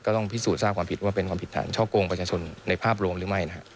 ต้องพิสูจนทราบความผิดว่าเป็นความผิดฐานช่อกงประชาชนในภาพรวมหรือไม่นะฮะ